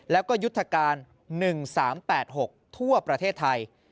แล้วก็ยุทธการ๑๓๘๖ทั่วประเทศไทย